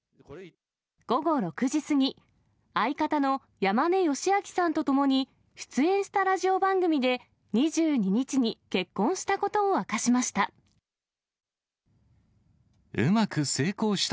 午後６時過ぎ、相方の山根良顕さんと共に、出演したラジオ番組で２２日に結婚したことを明かしました。